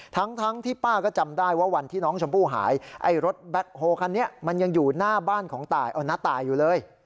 ทั้งที่ป้าก็จำได้ว่าวันที่น้องชมพู่หายไอ้รถแบ็คโฮคันนี้มันยังอยู่หน้าบ้านของน้าตายอยู่เลย